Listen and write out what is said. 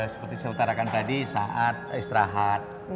seperti saya utarakan tadi saat istirahat